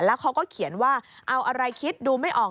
แล้วเขาก็เขียนว่าเอาอะไรคิดดูไม่ออก